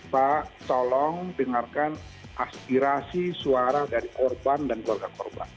pak tolong dengarkan aspirasi suara dari korban dan keluarga korban